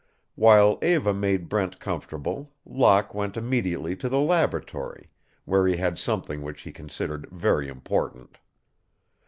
While Eva made Brent comfortable, Locke went immediately to the laboratory, where he had something which he considered very important.